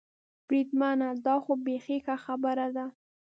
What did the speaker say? بریدمنه، دا خو بېخي ښه خبره ده.